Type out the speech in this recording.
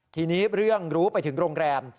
ทีนี้เรื่องรู้ไปถึงโรงแรม